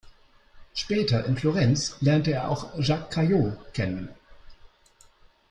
Später, in Florenz, lernte er auch Jacques Callot kennen.